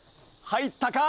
入ったか？